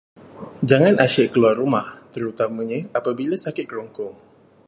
Jangan asyik keluar rumah, terutamanya apabila sakit kerongkong.